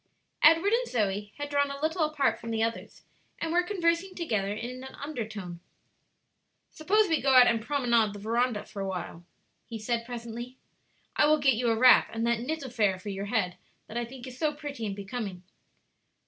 Edward and Zoe had drawn a little apart from the others, and were conversing together in an undertone. "Suppose we go out and promenade the veranda for a little," he said, presently. "I will get you a wrap and that knit affair for your head that I think so pretty and becoming."